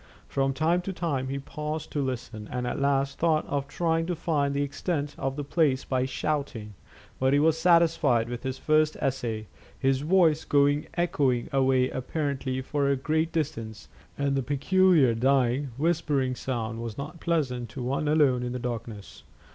From time to time he paused to listen, and at last thought of trying to find the extent of the place by shouting; but he was satisfied with his first essay, his voice going echoing away apparently for a great distance, and the peculiar, dying, whispering sound was not pleasant to one alone in the darkness.